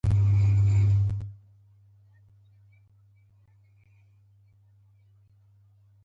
کوتره د زړه صبر ده.